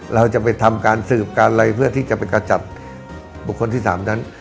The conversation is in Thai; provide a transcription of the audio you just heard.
เราจะไปทำการสืบการอะไรเพื่อที่จะไปกระจัดบุคคลที่๓นั้น